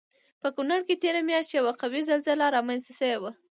په کنړ کې تېره میاشت یوه قوي زلزله رامنځته شوی وه